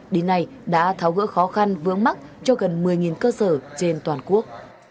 đến nay đã tháo gỡ khó khăn vướng mắt cho gần một mươi cơ sở trên toàn quốc